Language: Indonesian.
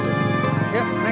mulai hari ini dan seterusnya